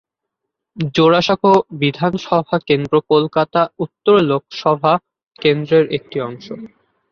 জোড়াসাঁকো বিধানসভা কেন্দ্র কলকাতা উত্তর লোকসভা কেন্দ্রের একটি অংশ।